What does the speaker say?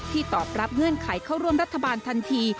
ตอบรับเงื่อนไขเข้าร่วมรัฐบาลทันที